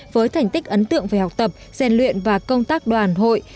với thành tích ấn tượng về học tập gian luyện và công tác đoàn hội